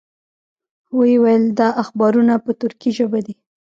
وې ویل دا اخبارونه په تُرکي ژبه دي.